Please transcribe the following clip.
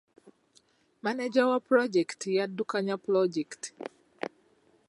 Maneja wa pulojekiti y'addukanya pulojekiti.